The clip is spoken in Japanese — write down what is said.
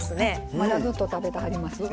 まだずっと食べてはります。